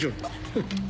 フッ。